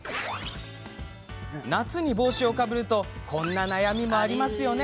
夏に帽子をかぶるとこんな悩みもありますよね。